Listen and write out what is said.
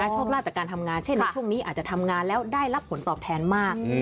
โชคลาภจากการทำงานเช่นในช่วงนี้อาจจะทำงานแล้วได้รับผลตอบแทนมาก